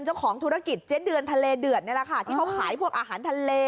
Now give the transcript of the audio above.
เจ้าของธุรกิจเจ๊เดือนทะเลเดือดนี่แหละค่ะที่เขาขายพวกอาหารทะเล